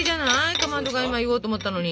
かまどが今言おうと思ったのに。